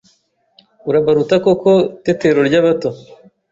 Urabaruta koko tetero ry’abato !